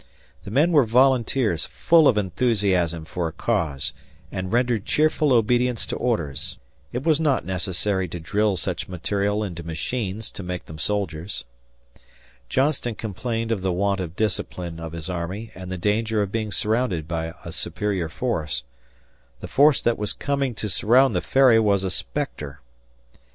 The men were volunteers full of enthusiasm for a cause and rendered cheerful obedience to orders; it was not necessary to drill such material into machines to make them soldiers. Johnston complained of the want of discipline of his army and the danger of being surrounded by a superior force. The force that was coming to surround the Ferry was a spectre.